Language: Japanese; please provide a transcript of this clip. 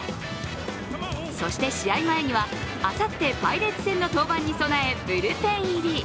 そして試合前には、あさってパイレーツ戦の登板に備えブルペン入り。